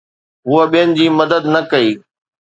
هوء ٻين جي مدد نه ڪئي